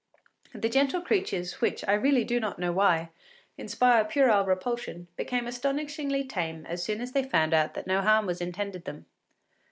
The gentle creatures, which, I really do not know why, inspire puerile repulsion, became astonishingly tame as soon as they found out that no harm was intended them.